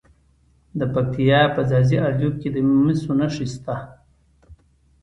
د پکتیا په ځاځي اریوب کې د مسو نښې شته.